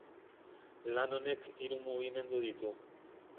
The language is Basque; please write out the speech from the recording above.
Lan honek hiru mugimendu ditu.